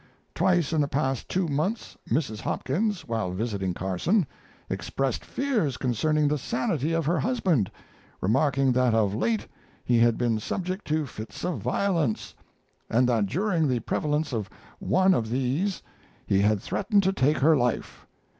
Twice in the past two months Mrs. Hopkins, while visiting Carson, expressed fears concerning the sanity of her husband, remarking that of late he had been subject to fits of violence, and that during the prevalence of one of these he had threatened to take her life.